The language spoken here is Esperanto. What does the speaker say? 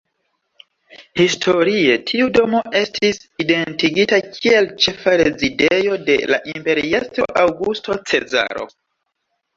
Historie, tiu domo estis identigita kiel ĉefa rezidejo de la imperiestro Aŭgusto Cezaro.